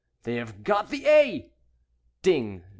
They have got the 'A'!" Ding!